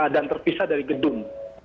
dan terpisah dari gedung